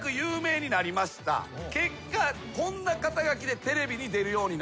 結果こんな肩書でテレビに出るようになります。